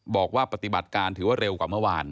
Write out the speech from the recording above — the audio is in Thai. บอกว่าปฏิบัติการถือว่าเร็วกว่าเมื่อวาน